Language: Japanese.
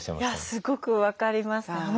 すごく分かります。